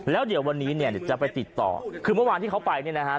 แล้วเดี๋ยววันนี้เนี่ยเดี๋ยวจะไปติดต่อคือเมื่อวานที่เขาไปเนี่ยนะฮะ